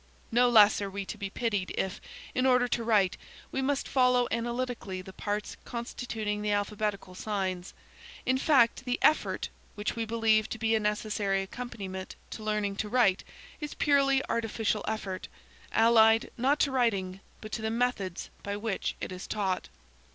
No less are we to be pitied if, in order to write, we must follow analytically the parts constituting the alphabetical signs. In fact the effort which we believe to be a necessary accompaniment to learning to write is purely artificial effort, allied, not to writing, but to the methods by which it is taught.